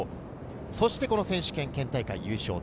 そして選手権県大会優勝。